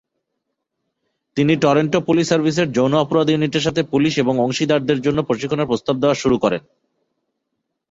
তিনি Toronto police সার্ভিসের যৌন অপরাধ ইউনিটের সাথে পুলিশ এবং অংশীদারদের জন্য প্রশিক্ষণের প্রস্তাব দেওয়া শুরু করেন।